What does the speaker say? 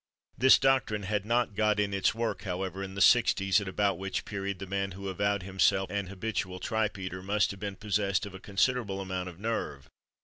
This doctrine had not got in its work, however, in the 'sixties, at about which period the man who avowed himself an habitual tripe eater must have been possessed of a considerable amount of nerve.